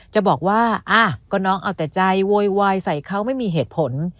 จะบอกว่าก็น้องเอาแต่ใจโวยวายใส่เขาไม่มีเหตุผล